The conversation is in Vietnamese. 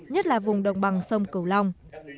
nhất là vùng đồng bằng sông cửu long